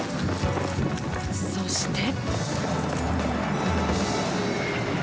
そして。